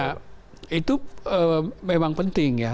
ya itu memang penting ya